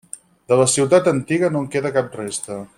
De la ciutat antiga no en queda cap resta.